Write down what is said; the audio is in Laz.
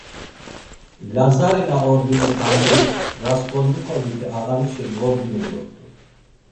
Lazari na ordinu Tangrik, Rasǩolnikoviti ağanişi dvordinu dort̆u.